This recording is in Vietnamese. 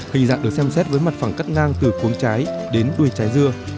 hình dạng được xem xét với mặt phẳng cắt ngang từ cuống trái đến đuôi trái dưa